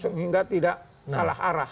sehingga tidak salah arah